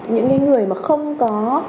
những người mà không có